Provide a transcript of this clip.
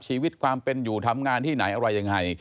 ชีวิตความเป็นอยู่ทำงานที่ไหนอะไรยังไง